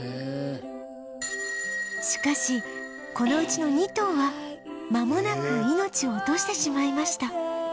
しかしこのうちの２頭はまもなく命を落としてしまいました